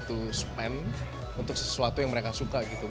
to spend untuk sesuatu yang mereka suka gitu